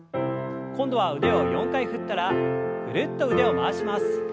今度は腕を４回振ったらぐるっと腕を回します。